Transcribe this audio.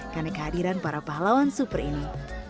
karena kehadiran para pahlawan super ini